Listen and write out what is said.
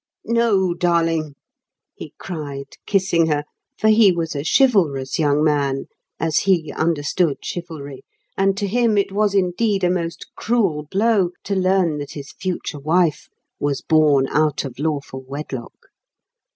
"No, darling," he cried, kissing her, for he was a chivalrous young man, as he understood chivalry; and to him it was indeed a most cruel blow to learn that his future wife was born out of lawful wedlock.